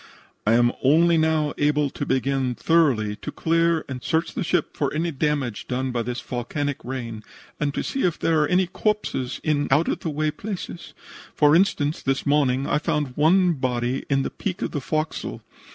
I am only now able to begin thoroughly to clear and search the ship for any damage done by this volcanic rain, and to see if there are any corpses in out of the way places. For instance, this morning, I found one body in the peak of the forecastle.